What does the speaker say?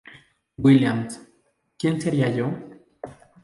Williams... ¿quien sería yo?".